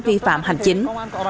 vi phạm hành chính